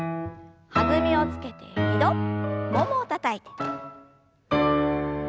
弾みをつけて２度ももをたたいて。